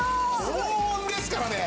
高温ですからね。